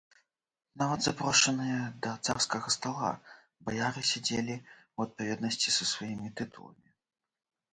Нават запрошаныя да царскага стала, баяры сядзелі ў адпаведнасці са сваімі тытуламі.